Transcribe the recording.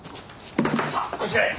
さあこちらへ。